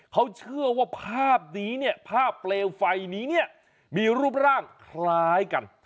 เขาเชื่อว่าภาพนี้เนี่ยภาพเปลวไฟนี้เนี่ยมีรูปร่างคล้ายกัน